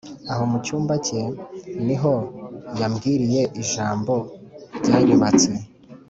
aho mu cyumba ke ni ho yambwiriye ijambo ryanyubatse